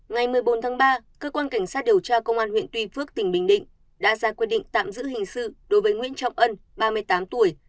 ngày một mươi bốn tháng ba cơ quan cảnh sát điều tra công an huyện tuy phước tỉnh bình định đã ra quyết định tạm giữ hình sự đối với nguyễn trọng ân ba mươi tám tuổi